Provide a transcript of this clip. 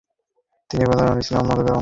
তিনি প্রথম দিকের ইসলাম গ্রহণকারীদের অন্যতম।